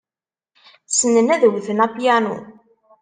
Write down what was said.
Ssnen ad wten apyanu.